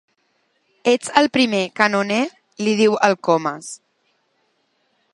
Ets el primer canoner —li diu el Comas—.